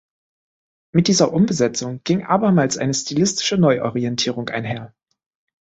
Mit dieser Umbesetzung ging abermals eine stilistische Neuorientierung einher.